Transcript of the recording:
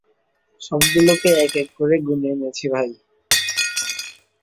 সবগুলোকে এক এক করে গুণে এনেছি, ভাই।